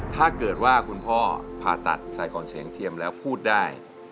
ถ้าเกิดว่าคุณพ่อผ่าตัดใส่ก่อนเสียงเทียมแล้วพูดได้